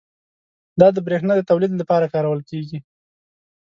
دا د بریښنا د تولید لپاره کارول کېږي.